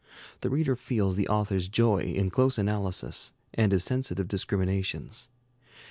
The reader feels the author's joy in close analysis, and his sensitive discriminations.